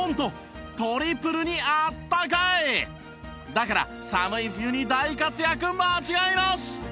だから寒い冬に大活躍間違いなし！